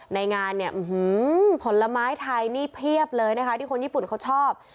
ในงานเนี่ยผลไม้ไทยนี่เพียบเลยนะคะที่คนญี่ปุ่นเขาชอบ